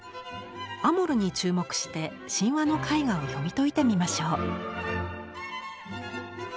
アモルに注目して神話の絵画を読み解いてみましょう。